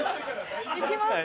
行きます！